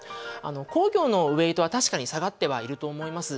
工業のウエイトは確かに下がってはいると思います。